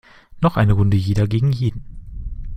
Noch eine Runde jeder gegen jeden!